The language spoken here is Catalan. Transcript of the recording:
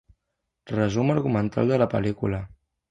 Resum argumental de la pel·lícula.